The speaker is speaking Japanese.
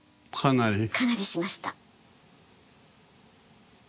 かなりしました。